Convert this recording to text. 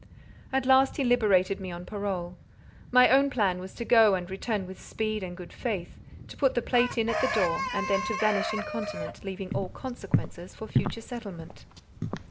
And at last he liberated me on parole. My own plan was to go and return with speed and good faith, to put the plate in at the door, and then to vanish incontinent, leaving all consequences for future settlement.